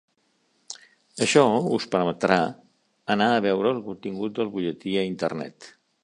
Això us permetrà anar a veure el contingut del butlletí a Internet.